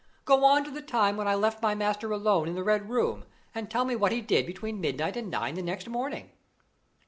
"Go on to the time when I left my master alone in the Red Room, and tell me what he did between midnight and nine the next morning."